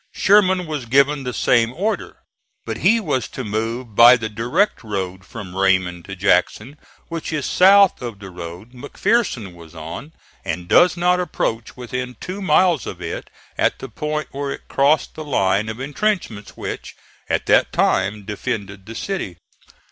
Sherman was given the same order; but he was to move by the direct road from Raymond to Jackson, which is south of the road McPherson was on and does not approach within two miles of it at the point where it crossed the line of intrenchments which, at that time, defended the city.